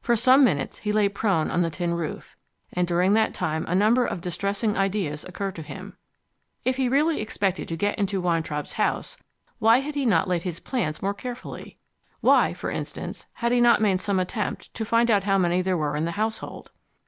For some minutes he lay prone on the tin roof, and during that time a number of distressing ideas occurred to him. If he really expected to get into Weintraub's house, why had he not laid his plans more carefully? Why (for instance) had he not made some attempt to find out how many there were in the household?